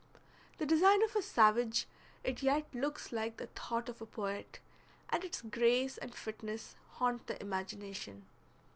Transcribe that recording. The design of a savage, it yet looks like the thought of a poet, and its grace and fitness haunt the imagination.